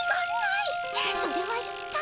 それはいったい。